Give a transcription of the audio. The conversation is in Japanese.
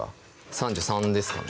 ３３ですかね